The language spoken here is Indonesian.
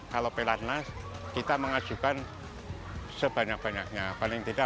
kalau pelatnas kita mengajukan sebanyak banyaknya paling tidak empat puluh lima